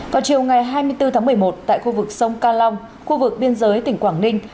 vào chiều ngày hai mươi bốn tháng một mươi một tại khu vực sông ca long khu vực biên giới tỉnh quảng ninh